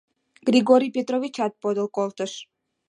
Григорий Петровичат подыл колтыш.